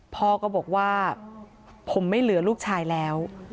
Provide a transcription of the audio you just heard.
พ่อก็บอกว่าผมไม่เหลือลูกชายแล้ว